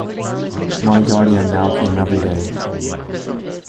My guardian now came every day.